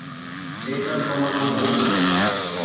He tamponau con l'auto.